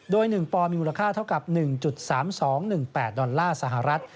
โดย๑ปอมีมูลค่าเท่ากับ๑๓๒๑๘ดอลลาร์สหรัฐ